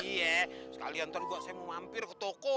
iya sekalian ntar gue mau mampir ke toko